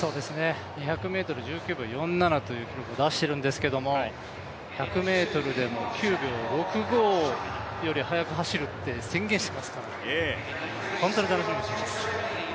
２００ｍ、１９秒４７という記録を出しているんですけれども、１００ｍでも９秒６５より速く走ると宣言していますから、本当に楽しみにしています。